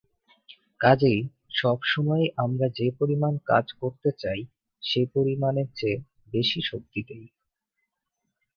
কাজেই সব সময়েই আমরা যে পরিমাণ কাজ করতে চাই সে পরিমাণের চেয়ে বেশি শক্তি দেই।